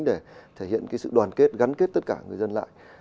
để thể hiện cái sự đoàn kết gắn kết tất cả người dân lại